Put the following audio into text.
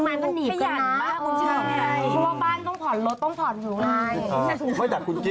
ไม่ต้องมีใครดูแล